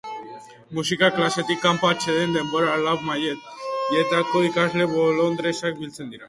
Musika klasetik kanpo, atseden denboran, lau mailetako ikasle bolondresak biltzen dira.